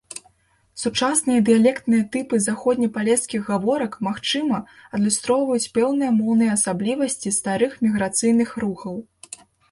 Сучасныя дыялектныя тыпы заходнепалескіх гаворак, магчыма, адлюстроўваюць пэўныя моўныя асаблівасці старых міграцыйных рухаў.